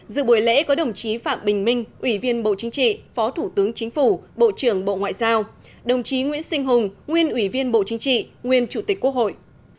dự buổi lễ có đồng chí phạm bình minh ủy viên bộ chính trị phó thủ tướng chính phủ bộ trưởng bộ ngoại giao đồng chí nguyễn sinh hùng nguyên ủy viên bộ chính trị nguyên chủ tịch quốc hội